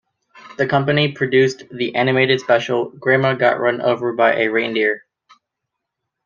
The company produced the animated special "Grandma Got Run Over by a Reindeer".